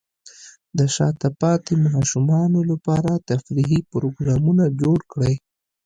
د شاته پاتې ماشومانو لپاره تفریحي پروګرامونه جوړ کړئ.